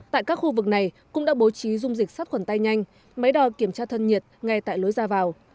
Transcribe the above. tại các khu vực này cũng đã bố trí dung dịch sát khuẩn tay nhanh máy đo kiểm tra thân nhiệt ngay tại lối ra vào